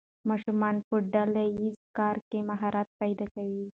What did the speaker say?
ماشومان په ډله ییز کار کې مهارت پیدا کوي.